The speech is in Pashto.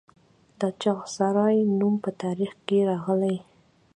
د چغسرای نوم په تاریخ کې راغلی